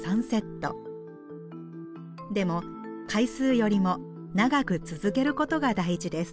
でも回数よりも長く続けることが大事です。